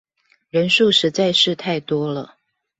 人數實在是太多了